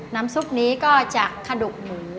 น้ำซุปนี้ก็จะกระดูกหมู